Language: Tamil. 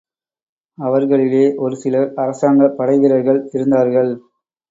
அவர்களிலே ஒரு சிலர் அரசாங்கப் படைவீரர்கள் இருந்தார்கள்.